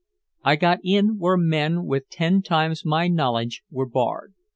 I got in where men with ten times my knowledge were barred.